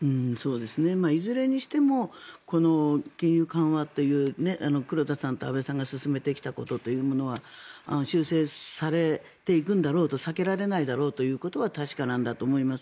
いずれにしてもこの金融緩和という黒田さんと安倍さんが進めてきたことというものは修正されていくんだろうと避けられないだろうということは確かなんだと思います。